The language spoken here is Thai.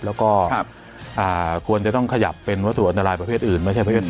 แล้วก็ควรจะขยับอันทรายประเภทอื่นเพื่อจะใช้ประเทศ๓